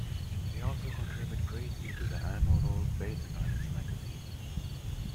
They also contribute greatly to the annual Old Bethanians' magazine.